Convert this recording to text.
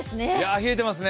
冷えてますね。